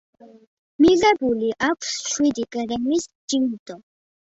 მიღებული აქვს შვიდი გრემის ჯილდო.